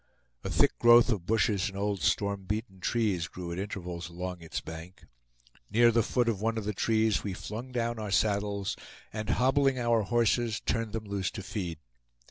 A thick growth of bushes and old storm beaten trees grew at intervals along its bank. Near the foot of one of the trees we flung down our saddles, and hobbling our horses turned them loose to feed.